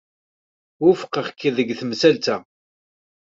Wufqeɣ-k deg temsalt-a.